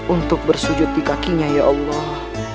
untuk bersujud di kakinya ya allah